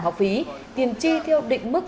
học phí tiền chi theo định mức